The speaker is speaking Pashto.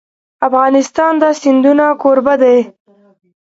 افغانستان د سیندونه کوربه دی.